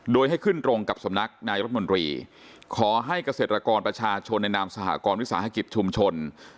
โดยให้ขึ้นตรงกับสำนักนายรัฐมนตรีขอให้เกษตรกรประชาชนในนามสหกรวิสาหกิจชุมชน